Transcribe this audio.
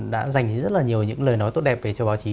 đã dành rất nhiều lời nói tốt đẹp cho báo chí